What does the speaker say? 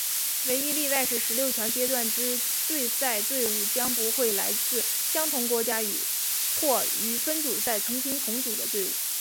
唯一例外是十六强阶段之对赛对伍将不会来自相同国家或于分组赛曾经同组的队伍。